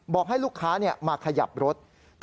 บอกให้ลูกค้ามาขยับรถ